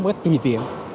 một cách tùy tiện